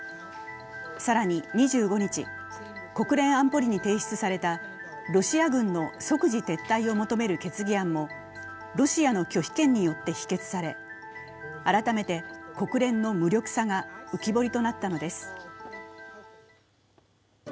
更に２５日、国連安保理に提出されたロシア軍の即事撤退を求める決議案もロシアの拒否権によって否決され改めて国連の無力さが浮き彫りとなったのです。